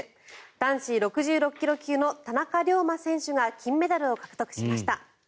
男子６６ｋｇ級の田中龍馬選手が金メダルを獲得しました。